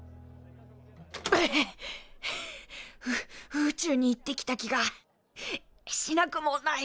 宇宙に行ってきた気がしなくもない。